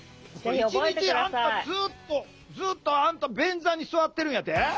一日あんたずっとずっとあんた便座に座ってるんやて？